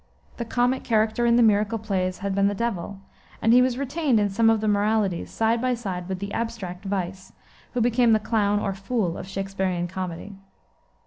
The comic character in the miracle plays had been the Devil, and he was retained in some of the moralities side by side with the abstract vice, who became the clown or fool of Shaksperian comedy.